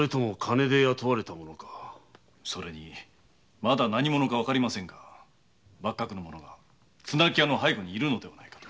それにまだ何者かはわかりませぬが幕閣の者が綱木屋の背後にいるのではないかと。